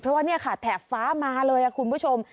เพราะว่าเนี่ยค่ะแถบฟ้ามาเลยคุณผู้ชม